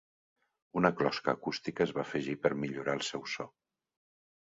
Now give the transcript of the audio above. Una closca acústica es va afegir per millorar el seu so.